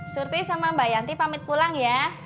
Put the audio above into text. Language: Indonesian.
surti sama mbak yanti pamit pulang ya